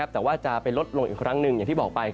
แต่ว่าจะไปลดลงอีกครั้งหนึ่งอย่างที่บอกไป